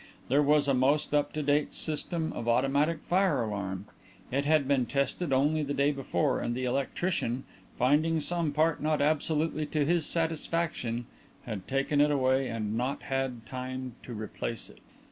There was a most up to date system of automatic fire alarm; it had been tested only the day before and the electrician, finding some part not absolutely to his satisfaction, had taken it away and not had time to replace it.